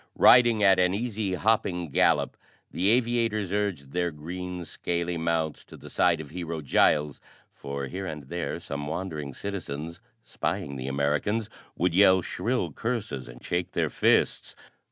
Riding at an easy hopping gallop, the aviators urged their green, scaly mounts to the side of Hero Giles, for here and there some wandering citizens, spying the Americans, would yell shrill curses and shake their fists.